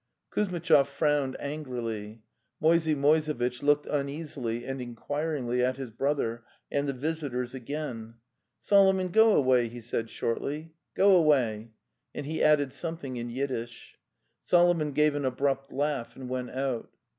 ..." Kuzmitchov frowned angrily. Moisey Moise vitch looked uneasily and inquiringly at his brother and the visitors again. "Solomon, go away!" he said shortly. "Go away!' and he added something in Yiddish. Solo mon gave an abrupt laugh and went out.